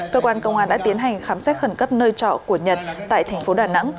cơ quan công an đã tiến hành khám xét khẩn cấp nơi trọ của nhật tại thành phố đà nẵng